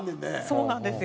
そうなんですよ。